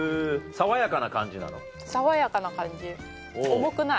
爽やかな感じ重くない。